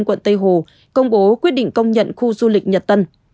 quận tây hồ công bố quyết định công nhận khu du lịch nhật tân